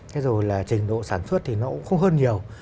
thế rồi là trình độ sản xuất thì nó cũng không hơn nhiều